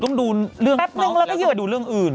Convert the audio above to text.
ต้องดูแป๊บนึงแล้วก็ให้อยู่กับดูเรื่องอื่น